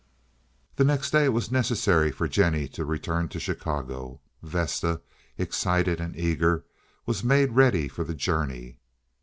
The next day it was necessary for Jennie to return to Chicago. Vesta, excited and eager, was made ready for the journey.